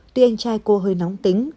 tuy anh trai cô hơi nóng tính